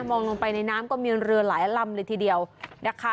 มองลงไปในน้ำก็มีเรือหลายลำเลยทีเดียวนะคะ